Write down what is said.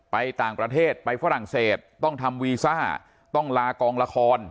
ไปต่างประเทศไปฝรั่งเศสต้องทำวีซ่าต้องลากองละคร